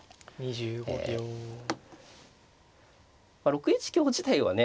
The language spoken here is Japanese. ６一香自体はね